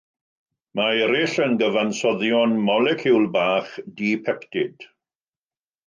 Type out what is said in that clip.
Mae eraill yn gyfansoddion moleciwl-bach, di-peptid.